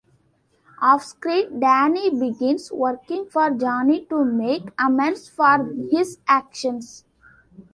Off-screen, Danny begins working for Johnny to make amends for his actions.